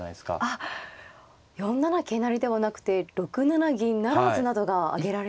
あっ４七桂成ではなくて６七銀不成などが挙げられてますね。